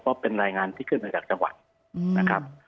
เพราะเป็นรายงานที่ขึ้นมาจากจังหวัดนะครับ